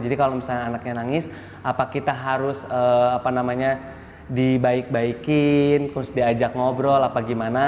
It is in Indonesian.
jadi kalau misalnya anaknya nangis apa kita harus dibaik baikin terus diajak ngobrol apa gimana